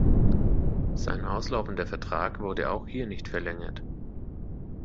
Sein auslaufender Vertrag wurde auch hier nicht verlängert.